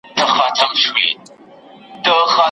ایا له ډېرو غوړیو څخه ډډه کول د زړه د دریدو مخه نیسي؟